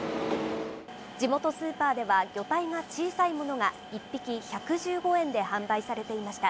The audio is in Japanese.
地元スーパーでは魚体が小さいものが、１匹１１５円で販売されていました。